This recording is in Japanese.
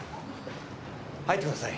入ってください。